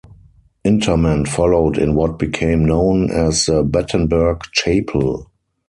Interment followed in what became known as the Battenberg Chapel.